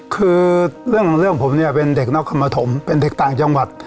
คือเรื่องของเรื่องผมเนี่ยเป็นเด็กนครปฐมเป็นเด็กต่างจังหวัด